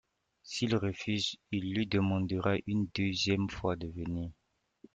S'il refuse, il lui demandera une deuxième fois de venir.